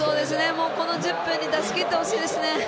この１０分で出し切ってほしいですね。